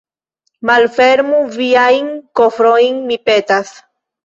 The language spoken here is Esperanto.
Malfermu viajn kofrojn, mi petas.